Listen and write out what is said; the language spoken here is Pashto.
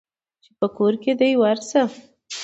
چې په کور دى ورشه.